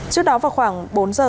trước đó vào khoảng bốn giờ